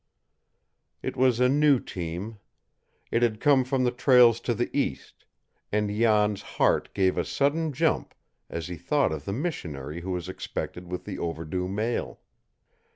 It was a new team. It had come from the trails to the east, and Jan's heart gave a sudden jump as he thought of the missionary who was expected with the overdue mail.